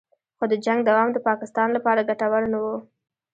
خو د جنګ دوام د پاکستان لپاره ګټور نه و